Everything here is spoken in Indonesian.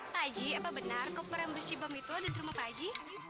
pakji apa benar koper yang bersih bom itu udah di rumah pakji